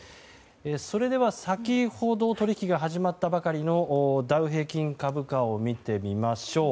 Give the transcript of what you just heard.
それでは、先ほど取引が始まったばかりのダウ平均株価を見てみましょう。